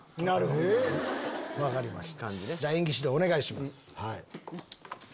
分かりました。